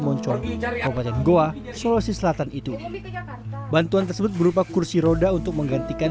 moncong kabupaten goa sulawesi selatan itu bantuan tersebut berupa kursi roda untuk menggantikan